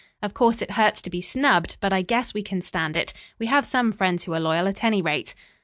Of course it hurts to be snubbed, but I guess we can stand it. We have some friends who are loyal, at any rate."